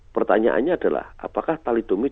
pertanyaannya adalah apakah telodomid